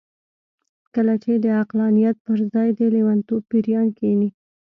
کله چې د عقلانيت پر ځای د لېونتوب پېريان کېني.